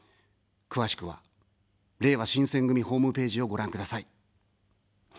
詳しくは、れいわ新選組ホームページをご覧ください。